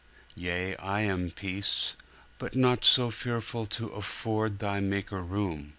'Yea, I am Peace! Be not so fearful to afford Thy Maker room!